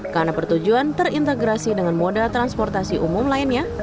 karena pertujuan terintegrasi dengan modal transportasi umum lainnya